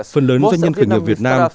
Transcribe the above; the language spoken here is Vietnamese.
phần lớn doanh nhân khởi nghiệp việt nam